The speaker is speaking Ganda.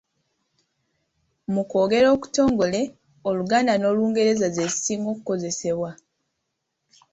Mukwogera okutongole, Oluganda n’Olungereza ze zisinga okukozesebwa.